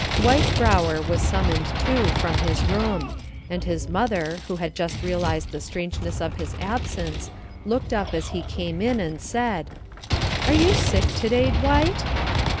Dwight Brower was summoned, too, from his room; and his mother, who had just realized the strangeness of his absence, looked up as he came in, and said: "Are you sick to day, Dwight?"